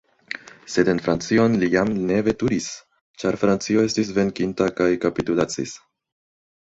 Sed en Francion li jam ne veturis, ĉar Francio estis venkita kaj kapitulacis.